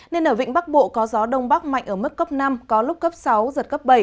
nên ở vịnh bắc bộ có gió đông bắc mạnh ở mức cấp năm có lúc cấp sáu giật cấp bảy